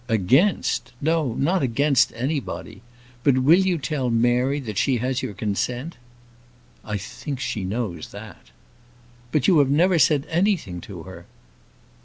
"Against! no, not against anybody. But will you tell Mary that she has your consent?" "I think she knows that." "But you have never said anything to her."